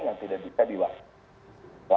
yang tidak bisa diwakilkan